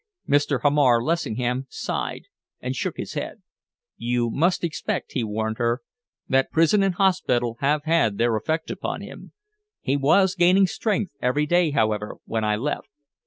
Mr. Hamar Lessingham sighed and shook his head. "You must expect," he warned her, "that prison and hospital have had their effect upon him. He was gaining strength every day, however, when I left."